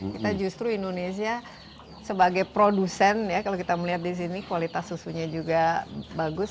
kita justru indonesia sebagai produsen ya kalau kita melihat di sini kualitas susunya juga bagus